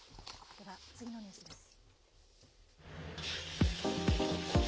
では、次のニュースです。